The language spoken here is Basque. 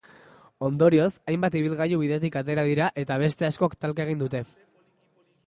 Ondorioz, hainbat ibilgailu bidetik atera dira eta beste askok talka egin dute.